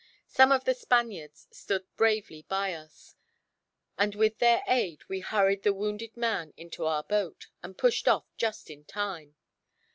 Some of the Spaniards stood bravely by us, and with their aid we hurried the wounded man into our boat, and pushed off just in time.